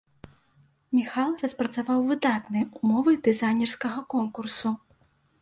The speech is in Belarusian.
Міхал распрацаваў выдатныя ўмовы дызайнерскага конкурсу.